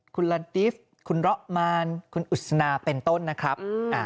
คุณลาดิฟต์คุณระมานคุณอุศนาเป็นต้นนะครับ